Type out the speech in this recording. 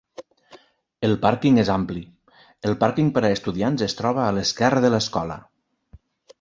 El pàrquing és ampli; el pàrquing per a estudiants es troba a l'esquerra de l'escola.